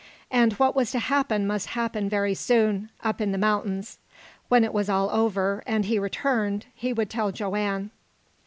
And what was to happen must happen very soon up in the mountains. When it was all over, and he returned, he would tell Joanne.